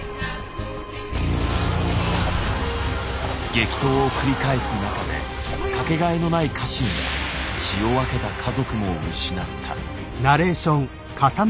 激闘を繰り返す中で掛けがえのない家臣や血を分けた家族も失った。